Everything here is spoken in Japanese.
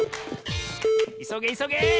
いそげいそげ！